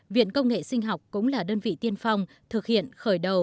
viện công nghệ sinh học cũng là đơn vị tiên phong thực hiện khởi đầu